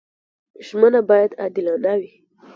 ژمنه باید عادلانه وي.